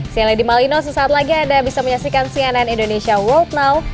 saya lady malino sesaat lagi anda bisa menyaksikan cnn indonesia world now